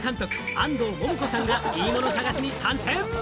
安藤桃子さんがいいもの探しに参戦！